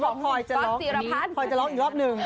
คิดว่าคอยจะร้องอีกรอบหนึ่ง